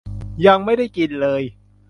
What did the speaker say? ยังไม่ได้กินเลย